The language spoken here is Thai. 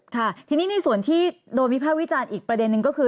ค่ะทีนี้ในส่วนที่โดนวิภาควิจารณ์อีกประเด็นนึงก็คือ